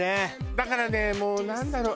だからねもうなんだろう